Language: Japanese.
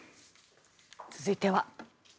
続いては。